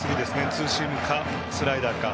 ツーシームかスライダーか。